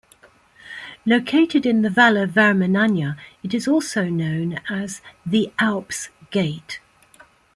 Located in the Valle Vermenagna, it is also known as "the Alps' gate".